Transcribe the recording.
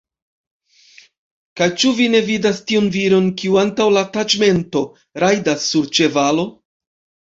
Kaj ĉu vi ne vidas tiun viron, kiu antaŭ la taĉmento rajdas sur ĉevalo?